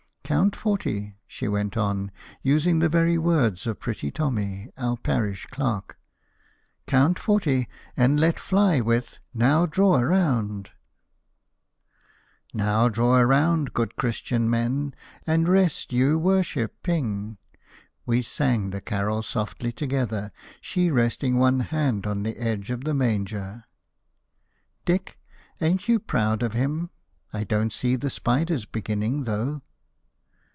"Count forty," she went on, using the very words of Pretty Tommy, our parish clerk: "count forty, and let fly with 'Now draw around '" "Now draw around, good Christian men, And rest you worship ping " We sang the carol softly together, she resting one hand on the edge of the manger. "Dick, ain't you proud of him? I don't see the spiders beginning, though."